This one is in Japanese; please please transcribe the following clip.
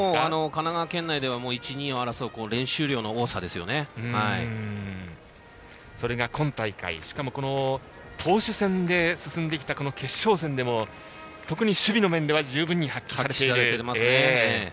神奈川県内では１、２を争うそれが今大会、投手戦で進んできたこの決勝戦でも特に守備の面では発揮されていますね。